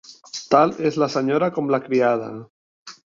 Tal és la senyora com la criada.